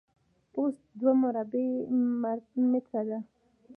پوست دوه مربع متره ده.